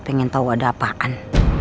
pengen tau ada apaan